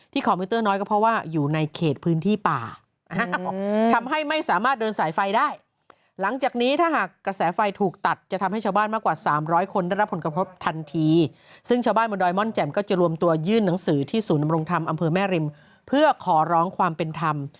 ที่ศูนย์ดำรงธรรมอำเภอแม่ริมเพื่อขอร้องความเป็นธรรม